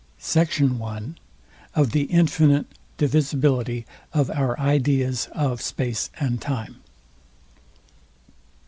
SECT. I. OF THE INFINITE DIVISIBILITY OF OUR IDEAS OF SPACE AND TIME.